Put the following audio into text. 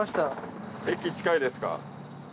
駅近いですか？